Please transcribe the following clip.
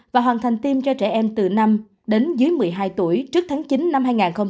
và hoàn thành tiêm cho trẻ em từ năm đến dưới một mươi hai tuổi trước tháng chín năm hai nghìn hai mươi